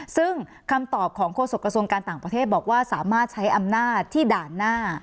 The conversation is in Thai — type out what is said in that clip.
ซึ่งคำตอบของโฆษกระทรวงการต่างประเทศบอกว่าสามารถใช้อำนาจที่ด่านหน้า